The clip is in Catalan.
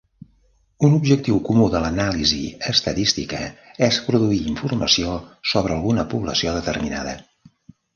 Un objectiu comú de l'anàlisi estadística és produir informació sobre alguna població determinada.